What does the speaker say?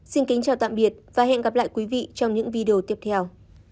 xin kính chào tạm biệt và hẹn gặp lại quý vị trong những video tiếp theo